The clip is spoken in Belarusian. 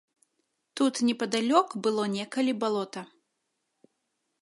Тут непадалёк было некалі балота.